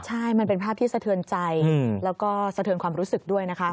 ใช่มันเป็นภาพที่สะเทือนใจแล้วก็สะเทือนความรู้สึกด้วยนะคะ